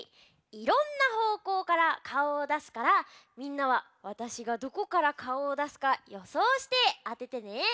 いろんなほうこうからかおをだすからみんなはわたしがどこからかおをだすかよそうしてあててね。